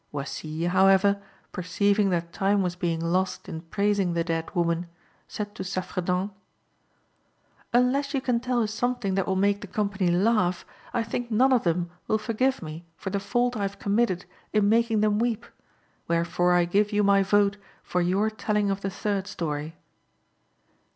Oisille, however, perceiving that time was being lost in praising the dead woman, said to Saffredent "Unless you can tell us something that will make the company laugh, I think none of them will forgive me for the fault I have committed in making them weep; wherefore I give you my vote for your telling of the third story."